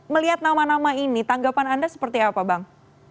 melihat nama nama ini tanggapan anda seperti apa bang